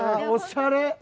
おしゃれ！